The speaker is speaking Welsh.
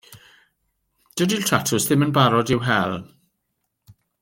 Dydi'r tatws ddim yn barod i'w hel.